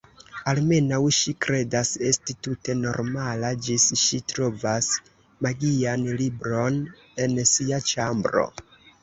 Almenaŭ ŝi kredas esti tute normala, ĝis ŝi trovas magian libron en sia ĉambro.